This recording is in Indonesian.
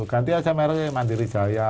ganti aja mere mandiri jaya